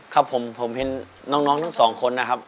ครับผมผมเห็นน้องทั้งสองคนนะครับ